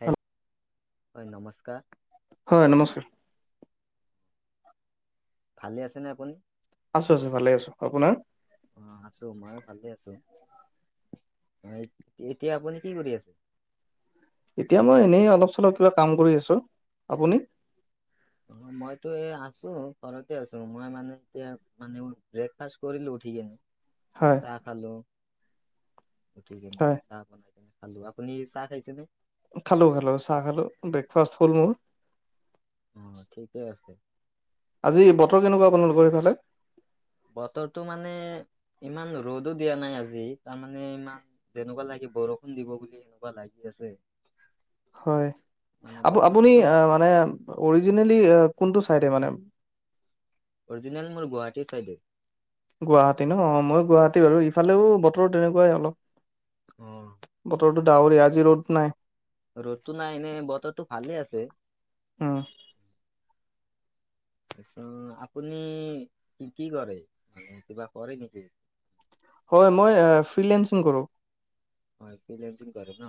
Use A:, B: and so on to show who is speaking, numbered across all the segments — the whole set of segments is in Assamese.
A: হে'ল্ল হয় নমস্কাৰ
B: হয় নমস্কাৰ
A: ভালে আছেনে আপুনি
B: আছোঁ আছোঁ ভালে আছোঁ আপোনাৰ
A: অ', আছোঁ ময়ো ভালে আছোঁ অ', এতিয়া আপুনি কি কৰি আছে?
B: এতিয়া মই এনেই অলপ চলপ কিবা কাম কৰি আছোঁ আপুনি
A: অ', মইতো এ আছোঁ ঘৰতে আছোঁ মই মানে এতিয়া মানে ব্ৰেকফাষ্ট কৰিলো উঠি কিনে [inaudible]
B: হয়
A: চাহ খালো উঠি কেনে
B: হয়
A: চাহ বনাই কেনে খালোঁ আপুনি চাহ খাইছে নে
B: খালোঁ খালোঁ চাহ খালোঁ ব্ৰেকফাষ্ট হ'ল মোৰ
A: অ', ঠিকে আছে।
B: আজি বতৰ কেনেকুৱা আপোনালোকৰ সেইফালে
A: বতৰটো মানে ইমান ৰ'দো দিয়া নাই আজি তাৰমানে ইমান যেনেকুৱা লাগে বৰষুণ দিব বুলি এনেকুৱা লাগি আছে
B: হয়
A: মানে
B: আপুনি
A: বতৰটো
B: আপুনি মানে অৰিজিনেলি কোনটো চাইডে মানে
A: অৰিজিনেল মোৰ গুৱাহাটী চাইডে
B: গুৱাহাটী ন অ মই গুৱাহাটী বাৰু ইফালেও বতৰ তেনেকুৱাই অলপ
A: অ'
B: বতৰো ডাৱৰীয়া আজি ৰ'দ নাই
A: ৰ'দতটো নাই এনেই বতৰটো ভালে আছে।
B: উম
A: তাৰপাছত আপুনি কি কি কৰে কিবা কৰে নেকি?
B: হয় মই ফ্ৰসিং কৰো
A: হয় ফ্ৰসিং কৰে ন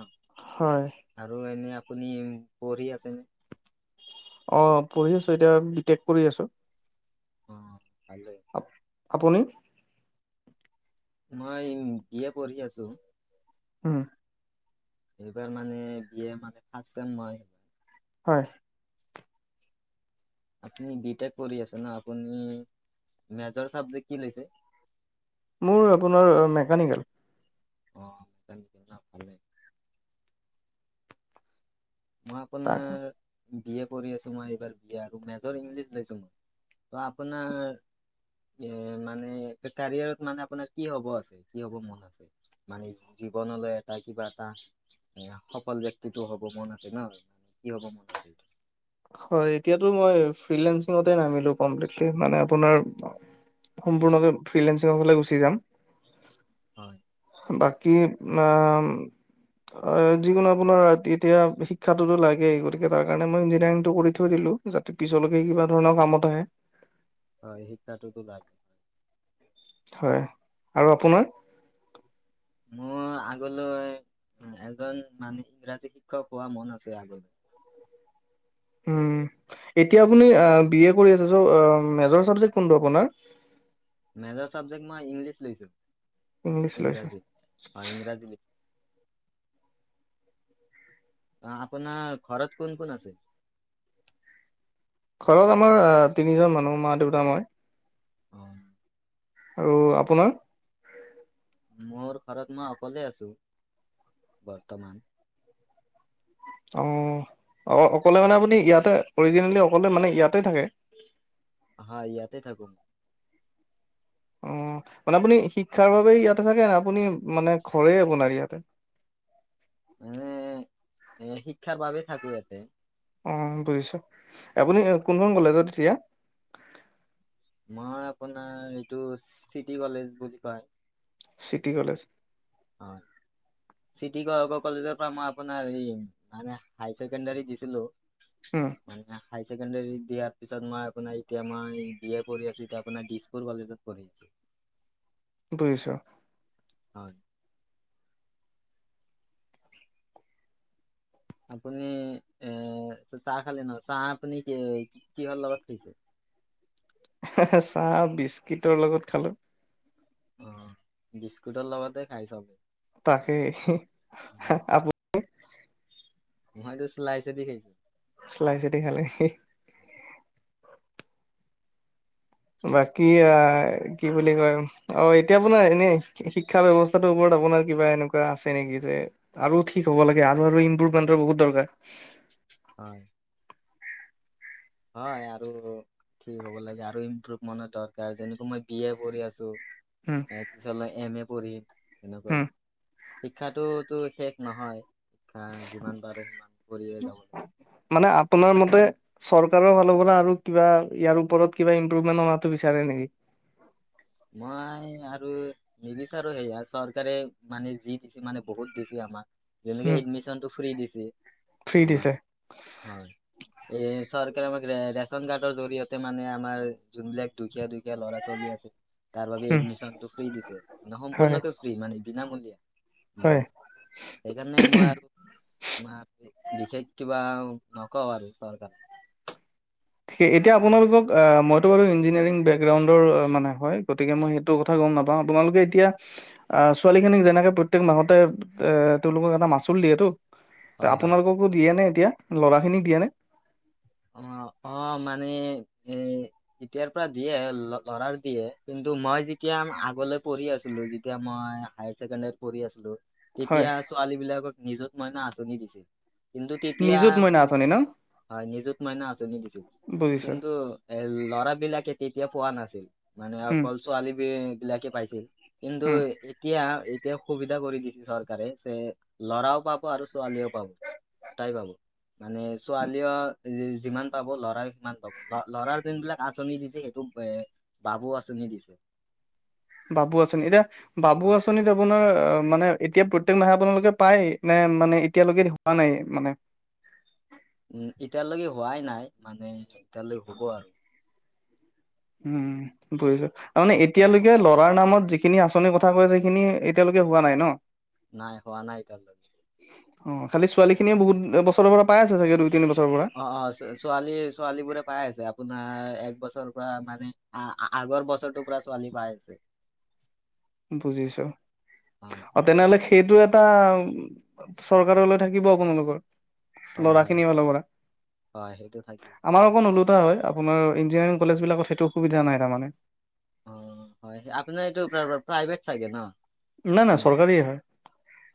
B: হয়
A: আৰু এনে আপুনি পঢ়ি আছেনে
B: অ', পঢ়ি আছোঁ এতিয়া বি টেক কৰি আছোঁ।
A: অ', ভালে
B: আ আপুনি
A: মই বিএ পঢ়ি আছোঁ
B: উম
A: এইবাৰ মানে বি এ মানে ফাষ্ট চেম মই
B: হয়।
A: আপুনি বি টেক কৰি আছে ন আপুনি মেজৰ চাবজেক্ট কি লৈছে।
B: মোৰ আপোনাৰ মেকানিকেল
A: অ', মেকানিক ন ভালে মই আপোনাৰ
B: তাক
A: বি এ পঢ়ি আছোঁ মই এইবাৰ। বি এ আৰু মেজৰ ইংলিছ লৈছো। মই ত আপোনাৰ এ মানে কেৰিয়াৰত মানে আপোনাৰ কি হ'ব আছে কি হ'ব মন আছে? মানে জীৱনলৈ এটা কিবা এটা এ সফল ব্যক্তিটো হ'ব মন আ তোমাৰ মানে কি হ'ব মন আছিল?
B: হয় এতিয়াতো মই ফ্ৰিসংতে নামিলো কমপ্লিটলি। মানে আপোনাৰ সম্পূৰ্ণকে ফ্ৰিলেঞ্চি ফালে গুচি যাম।
A: হয়।
B: বাকী আ অ যিকোনো আপোনাৰ এতিয়া শিক্ষাতো লাগেই, গতিকে তাৰ কাৰণে মই ইঞ্জিনিয়াৰিং টো কৰি থৈ দিলো, যাতে পিছলৈকে কিবা ধৰণৰ কামত আহে।
A: হয় শিক্ষাটোতো লাগে।
B: হয়। আৰু আপোনাৰ?
A: মোৰ আগলৈ এজন মানে ইংৰাজী শিক্ষক হোৱা মন আছে আগলৈ।
B: উম এতিয়া আপুনি বি এ কৰি আছে চ' মেজৰ চাবজেক কোনটো আপোনাৰ?
A: মেজৰ চব্জেকট মই ইংলিছ লৈছো,
B: ইংলিছ লৈছে
A: ইংৰাজী অ ইংৰাজী লৈছো। অ আপোন খৰতৰত কোন কোন আছে?
B: ঘৰত আমাৰ তিনিজন মানুহ মা দেউতা মই।
A: অ।
B: আৰু আপোনাৰ?
A: মোৰ ঘৰত মই অকলে আছো বৰ্তমান।
B: অ অ অকলে মানে আপুনি ইয়াতে অৰিজিনেলি অকলে মানে ইয়াতে থাকে।
A: হয়। ইয়াতে থাকো মই।
B: অ মানে আপুনি শিক্ষাৰ বাবে ইয়াতে থাকে আপুনি মানে ঘৰে আপোনাৰ ইয়াতে?
A: মানে এ শিক্ষাৰ বাবেই থাকো ইয়াতে।
B: অ বুজিছো। আপুনি কোনখন কলেজত এতিয়া?
A: মই আপোনাৰ এইটো চিটি কলেজ বুলি কয়।
B: City college.
A: হয়। চিটি কলেজৰ পৰা মই আপোনাৰ এই মানে হাই ছেকেণ্ডাৰী দিছিলো।
B: উম।
A: মানে হাইাৰ ছেকেণ্ডাৰী দিয়াৰ পিছত মই আপোনাৰ এতিয়া মই বি এ পঢি আছো এতিয়া আপোনাৰ দিছপুৰ কলেজত। কৰি আছো।
B: দুইশ [inaudible]
A: হয়। আপুনি এ চাহ খালে ন? চাহ আপুনি কি কিহৰ লগত খাইছে?
B: চাহ বিস্কিটৰ লগত খালো।
A: অ বিস্কুটৰ লগতে খাই চবে।
B: তাকে
A: অ, মইতো চিলাই চদি খাইছো।
B: চলাই দি খালে। বাকী আহ কি বুলি কয়, অ এতিয়া আপোনাৰ এনেই শিক্ষা ব্যৱস্থাটোৰ ওপৰত আপোনাৰ কিবা এনেকুৱা আছে নেকি যে আৰু ঠিক হ'ব লাগে আৰু ইমপ্ৰুভমেন্টৰ বহুত দৰকাৰ।
A: হয়। হয় আৰু ঠিক হ'ব লাগে আৰু ইমপ্ৰুভমেনৰ দৰকাৰ, যেনেকা মই বি এ কৰি আছো
B: উম,
A: তাৰ পিছলৈ এম এ পঢ়িম
B: উম।
A: সনেকাই। শিক্ষাতোতো শেষ নহয়। শিক্ষা যিমান পাৰে সিমান কৰিয়ে যাব লাগে।
B: মানে আপোনাৰ মতে চৰকাৰৰ ফালৰ পৰা আৰু কিবা ইয়াৰ ওপৰত কিবা ইম্প্ৰুভমেন্ট অনাটো বিচাৰে নেকি?
A: মই আৰু নিবিচাৰো সেয়া চৰকাৰে মানে যি দিছে মানে বহুত দিছে আমাক। যেনেকে
B: উম,
A: এডমিশ্যন টো ফ্ৰী দিছে
B: ফ্ৰী দিছে
A: আমাক হয়। এ চৰকাৰে আমাক ৰেচন কাৰ্ডৰ জৰিয়তে মানে আমাৰ যোনবিলাক দুখীয়া দুখীয়া ল'ৰা ছোৱালী আছে। তাৰ বাবে
B: উম,
A: এডমিশ্যন টো ফ্ৰী দিছে মানে
B: হয়,
A: সম্পূৰ্ণকে ফ্ৰী মানে বিনামূলীয়া।
B: হয়।
A: সেইকাৰণে মই আৰু। [unintelligible] বিশেষে কিবা নকওঁ আৰু চৰকাৰক।
B: সেই এতিয়া আপোনালোকক মইতো বাৰু ইঞ্জিনিয়াৰিং বেকগ্ৰাউণ্ডৰ মানে হয়। গতিকে, মই সেইটো কথা গ'ম নাপাওঁ তোমালোকে এতিয়া। আহ ছোৱালী খিনিক যেনেকে প্ৰত্যেক মাহতে এ তেওঁলোকক এটা মাচুল দিয়ে তো।
A: হয় হয়।
B: আপোনালোককো দিয়ে নে এতিয়া লৰা খিনিক দিয়ে নে।
A: অ' অ' মানে এ। এতিয়াৰ পৰা দিয়ে, ল'ৰাৰ দিয়ে, কিন্তু মই যেতিয়া আগলৈ পঢ়ি আছিলোঁ যেতিয়া মই হাইৰ ছেকেণ্ডাৰীত পঢ়ি আছিলোঁ,
B: হয়,
A: তেতিয়া ছোৱালী বিলাকক নিযুত মাইনা আঁচনি দিছিল। কিন্তু তেতিয়া,
B: নিজুত মইনা আঁচনি ন?
A: হয় নিযুত নিযুত মাইনা আচনি দিছিল।
B: বুজিছো
A: কিন্তু ল'ৰা বিলাকে তেতিয়া পোৱা নাছিল। মানে
B: উম,
A: অকল ছোৱালী বি-বিলাকে পাইছিল। কিন্তু
B: উম,
A: এতিয়া, এতিয়া সুবিধা কৰি দিছে, চৰকাৰে যে ল'ৰাও পাব আৰু ছোৱালীয়েও পাব। দুটাই পাব মানে ছোৱালীয়েও যিমান পাব ল'ৰা সিমান পাব। ল ল'ৰাৰ জোনবিলাক আঁচনি দিছে সেইটো এ বাবু আছনি দিছে।
B: বাবু আচনি এতিয়া বাবু
A: হয়
B: আঁচনিত আপোনাৰ মানে এতিয়া প্ৰত্যেক মাহে আপোনালোকে পায় নে মানে এতিয়ালৈকে হোৱা নাই মানে।
A: উম, এতিয়ালৈকে হোৱাই নাই মানে তেতিয়ালৈ হ'ব আৰু।
B: উম, [unintelligible] তাৰমানে এতিয়ালৈকে ল'ৰাৰ নামত যিখিনি আঁচনিৰ কথা কৈ আছে। সেইখিনি এতিয়ালৈকে হোৱা নাই ন?
A: নাই হোৱা নাই এতিয়ালৈকে।
B: অ' খালী ছোৱালী খিনি বহুত বছৰ পৰা পাই আছে চাগে দুই তিনি বছৰ
A: অ' অ' ছোৱালী ছোৱালী বোৰে পাই আছে আপোনাৰ এক বছৰৰ পৰা মানে আ আ। আগৰ বছৰটোৰ পৰা ছোৱালী পাই আছে।
B: বুজিছো।
A: হয়
B: তেনে হ'লে সেইটো এটা চৰকাৰলৈ থাকিব আপোনালোকৰ।
A: হয়
B: ল'ৰা
A: হয়
B: খিনি ফালৰ পৰা।
A: হয় সেইটো থাকিব
B: আমাৰ অকণ [unintelligible] হয়, আপোনাৰ ইঞ্জিনাৰিং কলেজ বিলাকত সেইটো অ' সুবিধা নাই তাৰমানে।
A: অ' হয়, আপোনাৰ এইটো প্ৰাইভেট চাগে ন?
B: নাই নাই চৰকাৰীয়ে হয়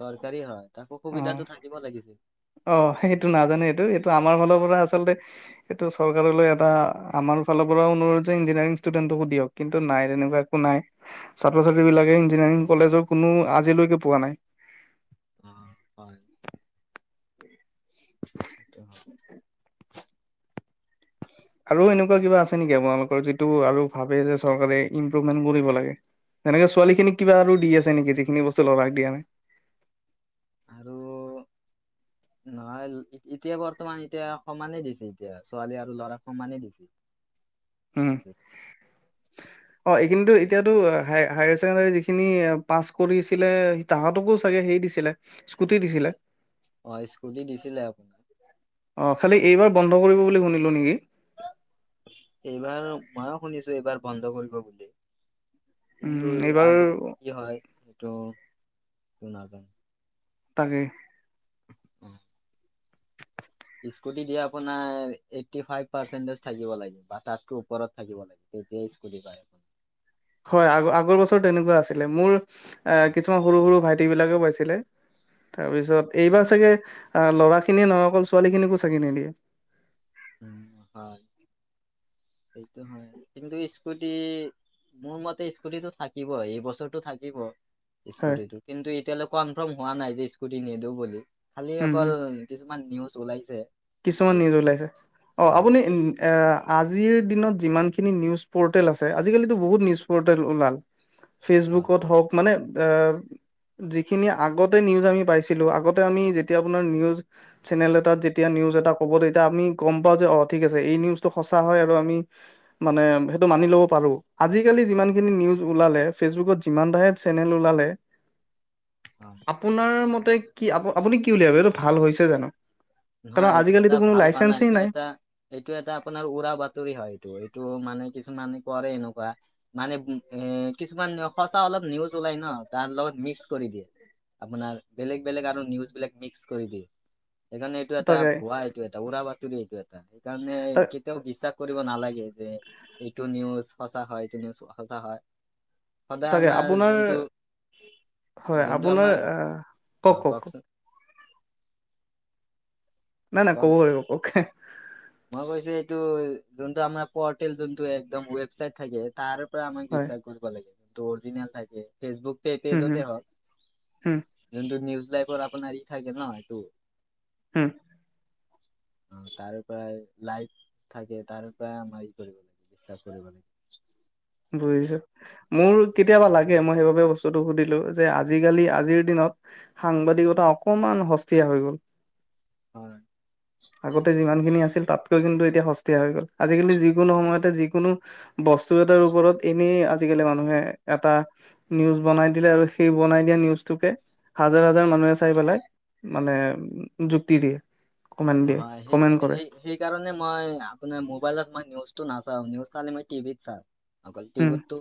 A: চৰকাৰী হয়, তাকো
B: অ',
A: সুবিধাতটো থাকিব লাগিছিল।
B: অ' সেইটো নাজানে এইটো এইটো আমাৰ ফালৰ পৰা আচলতে সেইটো চৰকাৰলৈ এটা আমাৰ ফালৰ পৰা অনুৰোধ যে ইঞ্জিনিয়াৰিং ষ্টুডেণ্টকো দিয়ক। কিন্তু নাই তেনেকুৱা একো নাই। ছাত্ৰ ছাত্ৰী বিলাকে ইঞ্জিনিয়াৰিং কলেজৰ কোনো আজিলৈকে পোৱা নাই।
A: অহ' হয়। সেইটো হয়।
B: [unintelligible] আৰু এনেকুৱা কিবা আছে নেকি আপোনালোকৰ, যিটো আৰু ভাবে যে চৰকাৰে ইম্প্ৰুভমেন্ট কৰিব লাগে। তেনেকৈ ছোৱালীখিনিক কিবা আৰু দি আছে নেকি যিখিনিবস্তু ল'ৰাক দিয়া নাই।
A: আৰু নহয় এতিয়া বৰ্তমান এতিয়া সমানে দিছে। এতিয়া ছোৱালী আৰু ল'ৰাক সমানে দিছে।
B: উম।
A: [inaudible]
B: অ' এইখিনিতো এতিয়াতো হাইৰ ছেকেণ্ডাৰী যিখিনি পাছ কৰিছিলে। তাহাতকো চাগে হেৰি দিছিলে স্কুটি দিছিলে।
A: অ', স্কুটি দিছিলে।
B: অ', খালি এইবাৰ বন্ধ কৰিব বুলি শুনিলোঁ নেকি?
A: এইবাৰ মইও শুনিছো এইবাৰ বন্ধ কৰিব বুলি। কিন্তু
B: উম এইবাৰ
A: আগত কি হয় সেইটো নাজানো।
B: তাকেই।
A: [inaudible] স্কুটি দিয়ে আপোনাৰ এইটি ফাইভ পাৰ্চেণ্টেজ থাকিব লাগে বা তাতকৈ ওপৰত থাকিব লাগে। তেতিয়াই স্কুটি পায়।
B: হয় আগ-আগৰ বছৰ তেনেকুৱা আছিলে, মোৰ কিছুমান সৰু সৰু ভাইটি বিলাকে পাইছিলে। তাৰপিছত এইবাৰ চাগৈ ল'ৰাখিনিয়ে নহ'ব ছোৱালীখিনিকো চাগৈ নিদিয়ে।
A: অ', সেইটো হয়। কিন্তু স্কুটি মোৰ মতে স্কুটিটো থাকিব এইবছৰটো থাকিব
B: হয়
A: স্কুটিটো। কিন্তু এতিয়ালৈে কনফাৰ্ম হোৱা নাই যে স্কুটি নিদো বুলি খালি
B: উম
A: অকল
B: হম
A: কিছুমান নিউজ ওলাইছে।
B: কিছুমান
A: যে
B: নিউজ
A: স্কু-
B: ওলাইছে অ'
A: হয়
B: আপুনি আজিৰ দিনত যিমানখিনি নিউজ প'ৰ্টেল আছে আজিকালিতো বহুত নিউজ প'ৰ্টেল ওলাল।
A: [inaudible]
B: ফেচবুকত হওঁক মানে এ যিখিনি আগতে নিউজ আমি পাইছিলো আগতে আমি যেতিয়া আপোনাৰ নিজ চেনেল এটাত এতিয়া নিউজ এটা ক'ব তেতিয়া আমি গম পাওঁ যে অ' ঠিক আছে এই নিউজটো সঁচা হয় আৰু আমি মানে সেইটো মানি ল'ব পাৰো আজিকালি যিমান খিনি নিউজ ওলালে ফেচবুকত যিমান চেনেল ওলালে।
A: অ'।
B: আপোনাৰ মতে কি আ আপুনি কি বুলি এইটো ভাল হৈছে জানো? কাৰণ
A: নহয় এইটো এটা
B: আজিকালিতো কোনো
A: ভাল হোৱা নাই
B: লাইচেন্সেই
A: এইটো এটা এইটো এটা আপোনাৰ উৰা বাতৰি হয় এইটো এইটো মানে কিছুমান কৰে এনেকুৱা। মানে এ কিছুমান সঁচা অলপ নিউজ ওলাই ন তাৰ লগত মিক্স কৰি দিয়ে। আপোনাৰ বেলেগ বেলেগ আৰু নিউজ বিলাক মিক্স কৰি দিয়ে। সেইকাৰণ এইটো এটা
B: তাকে
A: ভুৱা এইটো এটা উৰা বাতৰি এইটো এটা। সেইকাৰণে
B: ত
A: কেতিয়াও বিশ্বাস কৰিব নালাগে যে এইটো নিউজ সঁচা হয় এইটো নিউজ সঁচা হয়। সদায়
B: তাকে
A: আমাৰ
B: আপোনাৰ
A: যোনটো
B: হয়
A: যোনটো
B: আপোনাৰ
A: আমাৰ
B: আহ কওক
A: অ'
B: কওক কওক
A: কওকচোন।
B: নাই নাই ক'ব
A: কওক
B: পাৰাগিব কওঁক।
A: মই কৈছো এইটো যোনটো আমাৰ পৰ্টেল যোনটো একদম ৱেবচাইট থাকে তাৰ আমাক
B: হয়
A: বিশ্বাস কৰিব লাগে যোনটো অৰিজিনেল থাকে ফেচবুকে
B: হম হম
A: পেজতে হওঁক।
B: হম
A: যোনটো নিউজ লাইভৰ আপোনাৰ ই থাকে ন সেটো।
B: হম।
A: অ', তাৰ প্ৰায় লাইট থাকে তাৰ পৰা আমাৰ ই কৰিব লাগে বিশ্বাস কৰিব লাগে।
B: বুজিছো। মোৰ কেতিয়াবা লাগে মই সেইবাবে বস্তুটো সুধিলো যে আজিকালি আজিৰ দিনত সাংবাদিকতা অকমান সস্তীয়া হৈ গ'ল।
A: হয়
B: আগতে যিমানখিনি আছিল তাত কিন্তু এতিয়া সস্তীয়া হৈ গ'ল আজিকালি যিকোনো সময়তে যিকোনো বস্তু তাৰ ওপৰত এনেই আজিকালি মানুহে এটা নিউজ বনাই দিলে আৰু সেই বনাই দিয়া নিউজটোকে হাজাৰ হাজাৰ মানুহে চাই পেলাই মানে যুক্তি দিয়ে কমেণ্ট দিয়ে
A: হয়, সেই
B: কমেণ্ট কৰে।
A: সেই কাৰণে মই আপোনাৰ মোবাইলত মই নিউজটো নাচাওঁ নিউজ চালে মই টিভিত চাওঁ। অকল
B: উম
A: টিভিততো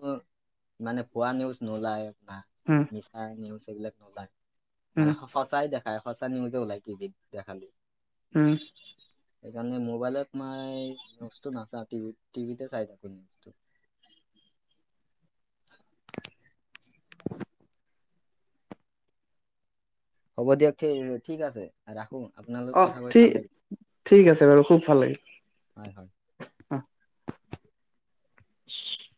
A: মানে পোৱা নিউজ নোলায়।
B: হয়
A: মচা নিউজ এইবিলাক নোলায়
B: উম
A: মানে সঁচাই দেখায় সঁচা নিউজে ওলায় টিভিত দেখালে
B: উম
A: সেইকাৰণে মোবাইলত মই নিউজটো নাচাওঁ টিভি টিভিতে চাই থাকো নিজটো হ'ব দিয়ক ঠিক আছে। ৰাখোঁ আপোনালোক
B: অ
A: কথা কৈ
B: ঠিক
A: ভাল লাগে
B: ঠিক আছে বাৰু খুব ভাল লাগিল
A: হয় হয়।
B: অ [inaudible]